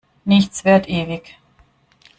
Nichts währt ewig.